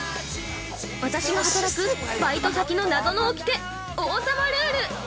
◆私が働くバイト先の謎の掟王様ルール。